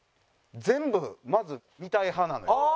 全部まず見たい派なのよ。